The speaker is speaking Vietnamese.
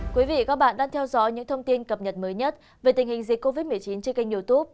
các bạn đang theo dõi những thông tin cập nhật mới nhất về tình hình dịch covid một mươi chín trên kênh youtube